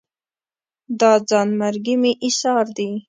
دا ځان مرګي مې ایسار دي